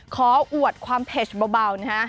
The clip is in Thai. ขออวดความเพจเบานะคะ